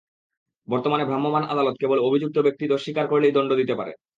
বর্তমানে ভ্রাম্যমাণ আদালত কেবল অভিযুক্ত ব্যক্তি দোষ স্বীকার করলেই দণ্ড দিতে পারেন।